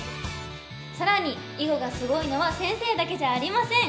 さらに囲碁がすごいのは先生だけじゃありません！